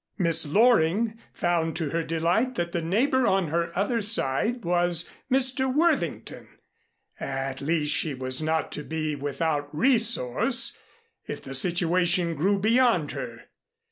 Miss Loring found to her delight that the neighbor on her other side was Mr. Worthington. At least she was not to be without resource if the situation grew beyond her.